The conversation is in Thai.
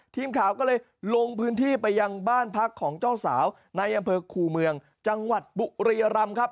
ทีมข่าวก็เลยลงพื้นที่ไปยังบ้านพักของเจ้าสาวในอำเภอคูเมืองจังหวัดบุรียรำครับ